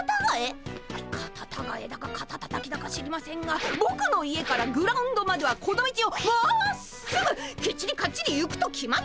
カタタガエだかカタタタキだか知りませんがぼくの家からグラウンドまではこの道をまっすぐきっちりかっちり行くと決まってるんです！